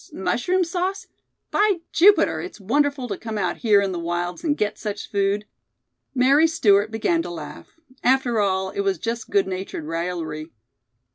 Mushroom sauce? By Jupiter, it's wonderful to come out here in the wilds and get such food." Mary Stewart began to laugh. After all, it was just good natured raillery.